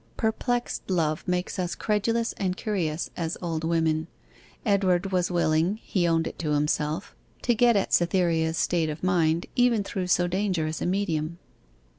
Perplexed love makes us credulous and curious as old women. Edward was willing, he owned it to himself, to get at Cytherea's state of mind, even through so dangerous a medium.